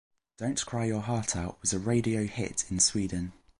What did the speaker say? "Don't Cry Your Heart Out" was a radio hit in Sweden.